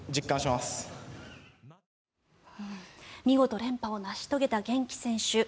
見事連覇を成し遂げた玄暉選手。